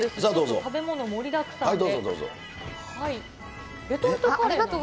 食べ物盛りだくさんで。